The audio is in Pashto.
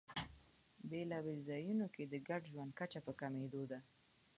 بېلابېلو ځایونو کې د ګډ ژوند کچه په کمېدو ده.